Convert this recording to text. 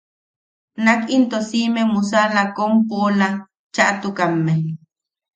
Nak into siʼime musala kom poʼola chaʼatukamme.